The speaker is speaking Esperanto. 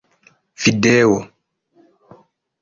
video